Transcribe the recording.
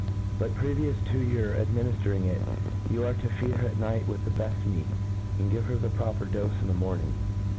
But, previous to your adminiftering it, you are to feed her at night with the beft meat, and give her the proper dofe in the morning.